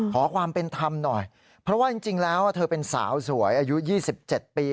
ขอความเป็นธรรมหน่อยเพราะว่าจริงแล้วเธอเป็นสาวสวยอายุ๒๗ปี